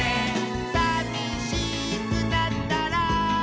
「さみしくなったら」